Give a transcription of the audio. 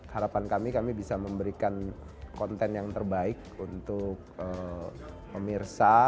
harapan kami kami bisa memberikan konten yang terbaik untuk pemirsa